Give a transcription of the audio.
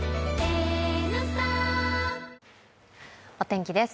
お天気です。